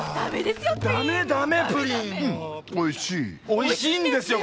おいしいんですよ！